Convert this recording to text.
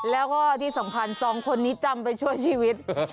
แล้วก็ที่ส่งผ่าน๒คนนี้จำไปชั่วชีวิต